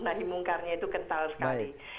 nahimungkarnya itu kental sekali